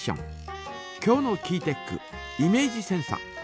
今日のキーテックイメージセンサ。